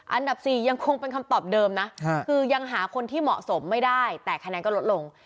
อันดับ๔ยังคงเป็นคำตอบเดิมนะคือยังหาคนที่เหมาะสมไม่ได้แต่คะแนนก็ลดลง